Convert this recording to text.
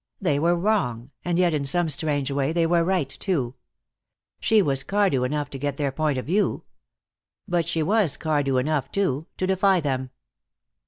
They were wrong, and yet in some strange way they were right, too. She was Cardew enough to get their point of view. But she was Cardew enough, too, to defy them.